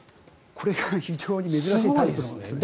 これが非常に珍しいタイプなんですね。